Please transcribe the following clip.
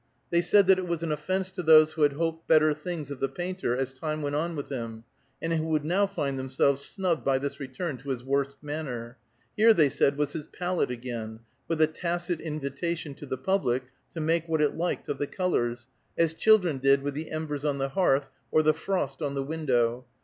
They said that it was an offence to those who had hoped better things of the painter as time went on with him, and who would now find themselves snubbed by this return to his worst manner. Here, they said, was his palette again, with a tacit invitation to the public to make what it liked of the colors, as children did with the embers on the hearth, or the frost on the window.